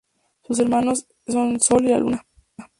Sus hermanos son el Sol y la Luna.